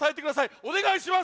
おねがいします！